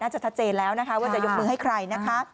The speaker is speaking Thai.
น่าจะทัศนแทนแล้วนะคะว่าจะยกมือให้ใคร